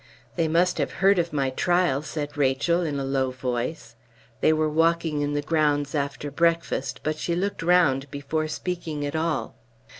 "They must have heard of my trial," said Rachel, in a low voice. They were walking in the grounds after breakfast, but she looked round before speaking at all.